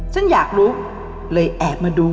ซึ่งอยากรู้เลยแอบมาดู